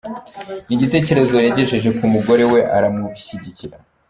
Ni igitekerezo yagejeje ku mugore we, aramushyigikira.